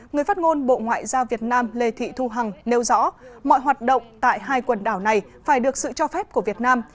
người phát ngôn bộ ngoại giao việt nam lê thị thu hằng nêu rõ mọi hoạt động tại hai quần đảo này phải được sự cho phép của việt nam